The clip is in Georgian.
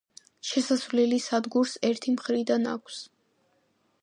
შესასვლელი სადგურს ერთი მხრიდან აქვს.